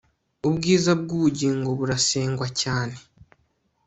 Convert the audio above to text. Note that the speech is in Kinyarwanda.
Ubwiza bwubugingo burasengwa cyane